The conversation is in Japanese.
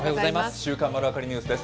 週刊まるわかりニュースです。